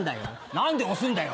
何で押すんだよ。